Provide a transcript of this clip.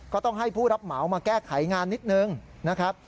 ก็ต้องให้ผู้รับเหมามาแก้ไขงานนิดนึงนะครับ